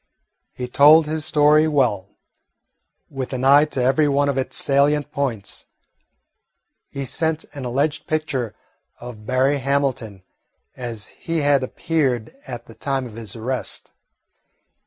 He told his story well, with an eye to every one of its salient points. He sent an alleged picture of Berry Hamilton as he had appeared at the time of his arrest.